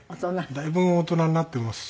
だいぶ大人になってますし。